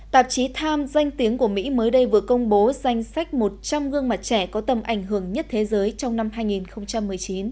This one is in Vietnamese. tạp chí time danh tiếng của mỹ mới đây vừa công bố danh sách một trăm linh gương mặt trẻ có tầm ảnh hưởng nhất thế giới trong năm hai nghìn một mươi chín